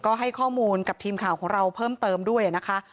ก็ให้ข้อมูลกับทีมข่าวของเราเพิ่มเติมด้วยนะคะ